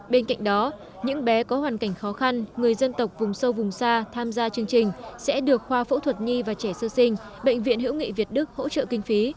bên cạnh đó những bé có hoàn cảnh khó khăn người dân tộc vùng sâu vùng xa tham gia chương trình sẽ được khoa phẫu thuật nhi và trẻ sơ sinh bệnh viện hữu nghị việt đức hỗ trợ kinh phí